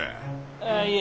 ああいえ。